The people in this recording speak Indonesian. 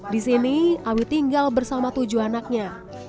di sini awi tinggal bersama tujuh anaknya